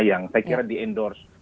yang saya kira di endorse